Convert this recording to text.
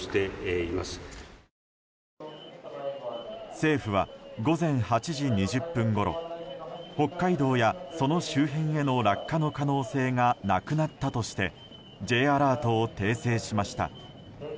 政府は午前８時２０分ごろ北海道やその周辺への落下の可能性がなくなったとしてＪアラートを訂正しました。